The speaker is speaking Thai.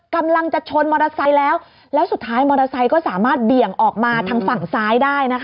กำลังจะชนมอเตอร์ไซค์แล้วแล้วสุดท้ายมอเตอร์ไซค์ก็สามารถเบี่ยงออกมาทางฝั่งซ้ายได้นะคะ